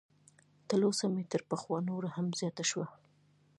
تلوسه مې تر پخوا نوره هم زیاته شوه.